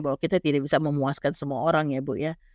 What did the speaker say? bahwa kita tidak bisa memuaskan semua orang ya bu ya